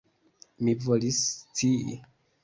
Mi volis scii!